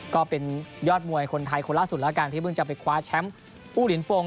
ก็เป็นยอดมวยคนไทยคนล่าสุดแล้วกันที่เพิ่งจะไปคว้าแชมป์ผู้เหรียญฟง